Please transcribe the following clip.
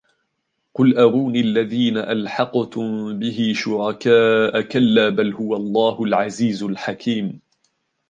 قل أروني الذين ألحقتم به شركاء كلا بل هو الله العزيز الحكيم